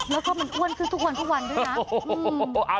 แล้วก็มันอ้วนขึ้นทุกวันทุกวันด้วยนะ